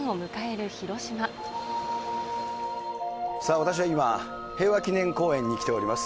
私は今、平和記念公園に来ております。